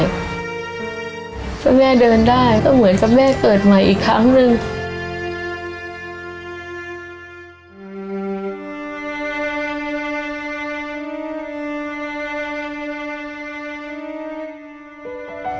เพื่อแม่เดินได้ก็เหมือนกับแม่เกิดใหม่อีกครั้งหนึ่ง